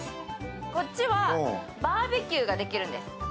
こっちはバーベキューができるんです。